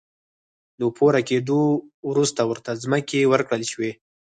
له پوره کېدو وروسته ورته ځمکې ورکړل شوې.